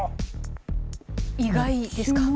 意外ですか？